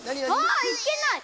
あいけない！